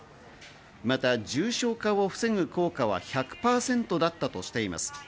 また重症化を防ぐ効果は１００％だったとしています。